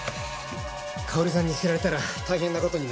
香織さんに知られたら大変な事になるので。